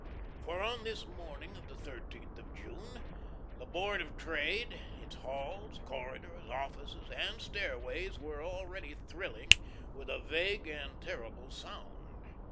For on this morning of the thirteenth of June, the Board of Trade, its halls, corridors, offices, and stairways were already thrilling with a vague and terrible sound.